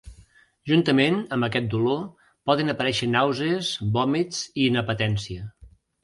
Juntament amb aquest dolor, poden aparèixer nàusees, vòmits i inapetència.